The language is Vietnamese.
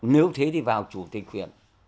nếu thế thì vào chủ tịch huyện